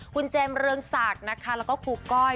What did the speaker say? คุณเจมส์เรืองศักดิ์นะคะแล้วก็ครูก้อย